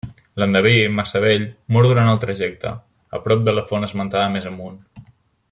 L'endeví, massa vell, mor durant el trajecte, a prop de la font esmentada més amunt.